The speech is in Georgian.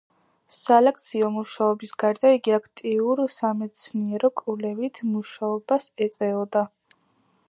სალექციო მუშაობის გარდა, იგი აქტიურ სამეცნიერო-კვლევით მუშაობას ეწეოდა.